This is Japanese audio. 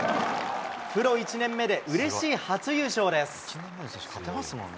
プロ１年目でうれしい初優勝です。